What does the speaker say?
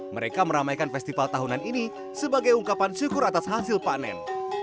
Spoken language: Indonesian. mereka meramaikan festival tahunan ini sebagai ungkapan syukur atas hasil panen